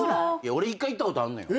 俺１回行ったことあんのよ。